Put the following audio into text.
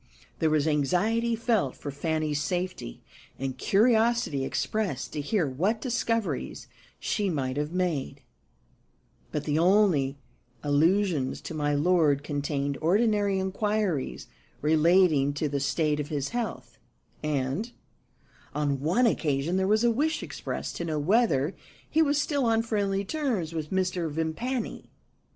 There was anxiety felt for Fanny's safety, and curiosity expressed to hear what discoveries she might have made; but the only allusions to my lord contained ordinary inquiries relating to the state of his health, and, on one occasion, there was a wish expressed to know whether he was still on friendly terms with Mr. Vimpany.